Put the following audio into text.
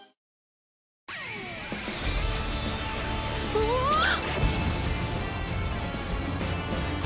うわっ！